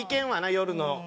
夜の。